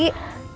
ya udah ate